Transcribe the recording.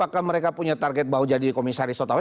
saya punya target baru jadi komisaris atau apa